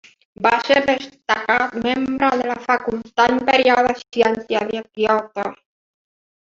Va ser destacat membre de la Facultat Imperial de Ciències de Kyoto.